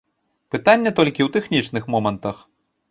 Пытанне толькі ў тэхнічных момантах.